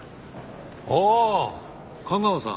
ああ架川さん。